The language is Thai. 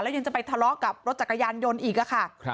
ยังจะไปทะเลาะกับรถจักรยานยนต์อีกค่ะ